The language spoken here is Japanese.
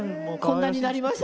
こんなになりました。